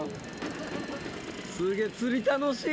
すげぇ釣り楽しい。